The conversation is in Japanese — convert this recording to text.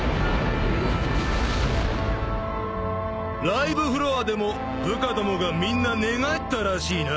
ライブフロアでも部下どもがみんな寝返ったらしいな。